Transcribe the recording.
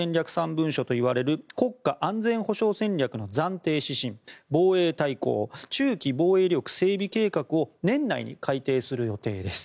３文書といわれる国家安全保障戦略の暫定指針防衛大綱、中期防衛力整備計画を年内に改定する予定です。